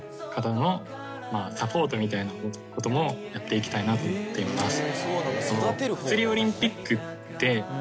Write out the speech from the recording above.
みたいなこともやっていきたいなと思っています。